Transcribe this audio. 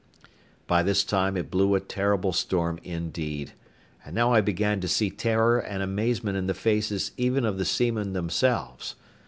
By this time it blew a terrible storm indeed; and now I began to see terror and amazement in the faces even of the seamen themselves.